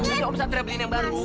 sini om satria beliin yang baru